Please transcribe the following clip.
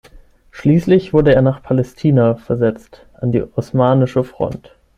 Schließlich wurde er nach Palästina versetzt, an die osmanische Front.